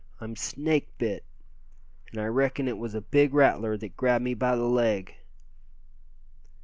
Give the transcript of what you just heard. I'm snake bit, and I reckon it was a big rattler that grabbed me by the leg!"